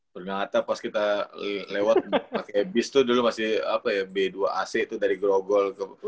ternyata pas kita lewat pakai bis tuh dulu masih apa ya b dua ac tuh dari grogol ke